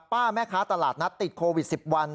แม่ค้าตลาดนัดติดโควิด๑๐วัน